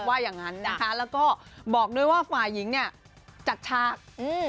ว่าอย่างงั้นนะคะแล้วก็บอกด้วยว่าฝ่ายหญิงเนี่ยจัดฉากอืม